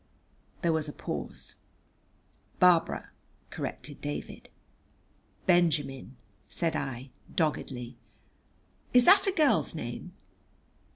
There was a pause. "Barbara," corrected David. "Benjamin," said I doggedly. "Is that a girl's name?"